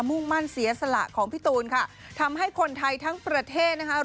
มุ่งมั่นเสียสละของพี่ตูนค่ะทำให้คนไทยทั้งประเทศนะคะ